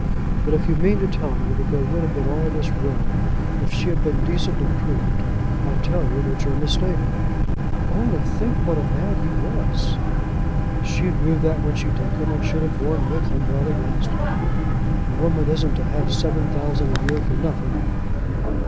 But if you mean to tell me that there would have been all this row if she had been decently prudent, I tell you that you're mistaken." "Only think what a man he was." "She knew that when she took him, and should have borne with him while he lasted. A woman isn't to have seven thousand a year for nothing."